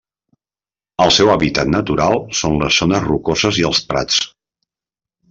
El seu hàbitat natural són les zones rocoses i els prats.